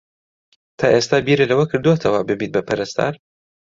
تا ئێستا بیرت لەوە کردووەتەوە ببیت بە پەرستار؟